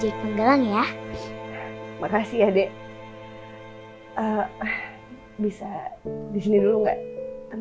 ya sebagai anak harusnya lo bisa maafin